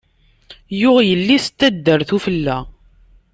Yuɣ yelli-s n taddart ufella.